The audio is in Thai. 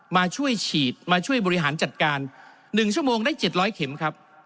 มาช่วยฉีดมาช่วยบริหารจัดการ๑ชั่วโมงได้๗๐๐เข็มครับ